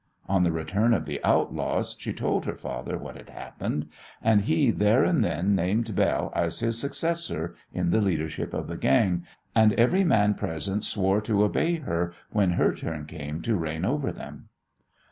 On the return of the outlaws she told her father what had happened, and he there and then named Belle as his successor in the leadership of the gang, and every man present swore to obey her when her turn came to reign over them.